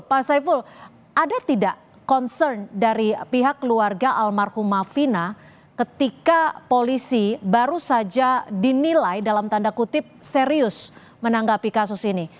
pak saiful ada tidak concern dari pihak keluarga almarhumah fina ketika polisi baru saja dinilai dalam tanda kutip serius menanggapi kasus ini